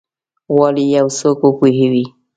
غواړي یو څوک وپوهوي؟